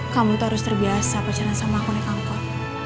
kamu tuh harus terbiasa pacaran sama aku naik angkot